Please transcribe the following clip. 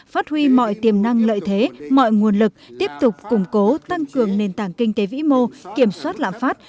phát huy mọi tiềm năng lợi thế mọi nguồn lực tiếp tục củng cố tăng cường nền tảng kinh tế vĩ mô kiểm soát lạm phát